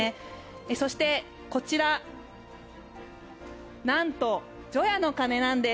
そして、こちらなんと除夜の鐘なんです。